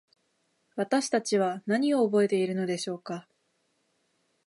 私たちは何を覚えているのでしょうか。